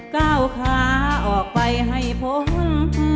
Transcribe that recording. ก้าวขาออกไปให้พ้น